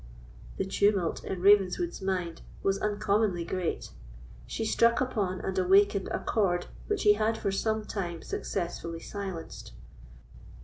The tumult in Ravenswood's mind was uncommonly great; she struck upon and awakened a chord which he had for some time successfully silenced.